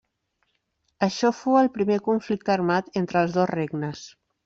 Això fou el primer conflicte armat entre els dos regnes.